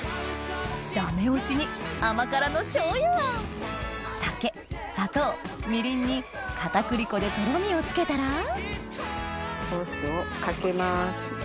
駄目押しに甘辛の醤油あん酒砂糖みりんに片栗粉でとろみをつけたらソースをかけます。